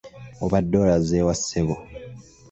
Obadde olaze wa ssebo?